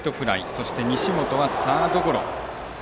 そして、西本はサードゴロ。